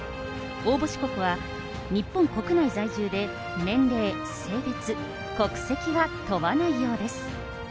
応募資格は、日本国内在住で年齢、性別、国籍は問わないようです。